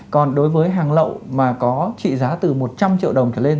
còn đối với hàng lậu mà có trị giá từ một trăm linh triệu đồng trở lên